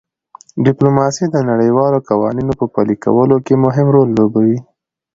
ډیپلوماسي د نړیوالو قوانینو په پلي کولو کې مهم رول لوبوي